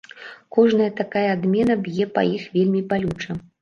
Кожная такая адмена б'е па іх вельмі балюча.